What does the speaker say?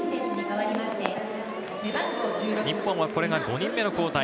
日本はこれが５人目の交代。